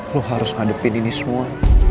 lo harus ngadepin ini semua